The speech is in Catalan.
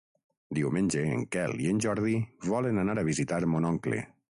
Diumenge en Quel i en Jordi volen anar a visitar mon oncle.